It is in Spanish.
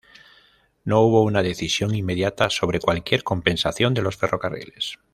No hubo una decisión inmediata sobre cualquier compensación de los ferrocarriles.